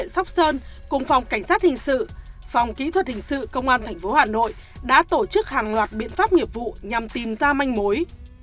hàng trăm chiến sĩ công an huyện sóc sơn cùng phòng cảnh sát hình sự phòng kỹ thuật hình sự công an thành phố hà nội đã tổ chức hàng loạt biện pháp nghiệp vụ nhằm tìm ra manh mối